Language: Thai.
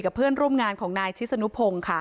เพื่อนร่วมงานของนายชิสนุพงศ์ค่ะ